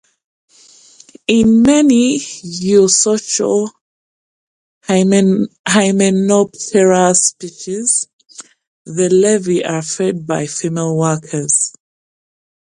In many eusocial Hymenoptera species, the larvae are fed by female workers.